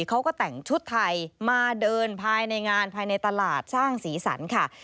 เขาก็แต่งชุดไทยมาเดินภายในงานภายในตลาดสร้างสีสันค่ะ